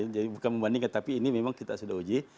jadi bukan membandingkan tapi ini memang kita sudah uji